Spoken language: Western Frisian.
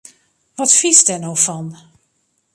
Wat fynst dêr no fan!